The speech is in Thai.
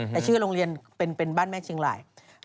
แต่ชื่อโรงเรียนเป็นบ้านแม่เชียงราย